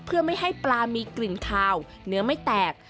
เพื่อไม่ให้ปลามีกลิ่นคาวเนื้อไม่แตก